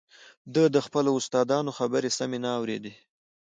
ده د خپلو استادانو خبرې سمې نه اورېدې